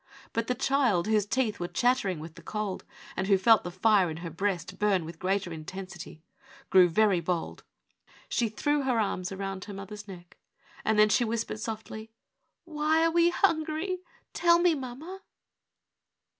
But the child, whose teeth were chattering with the cold, and who felt the fire in her breast burn with greater intensity, grew very bold. She threw her arms around her mother's neck; then she whispered, softly: Why are we hungry ? Tell me, mamma